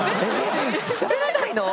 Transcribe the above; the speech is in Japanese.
しゃべらないの？